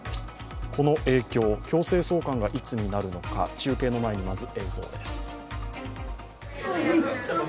この影響、強制送還がいつになるのか、中継の前にまず映像です。